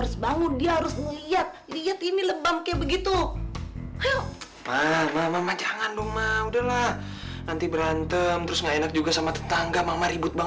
sampai jumpa di video selanjutnya